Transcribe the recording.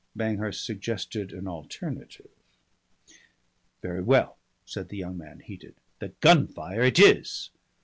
Banghurst suggested an alternative. "Very well," said the young man, heated, "the Gunfire it is."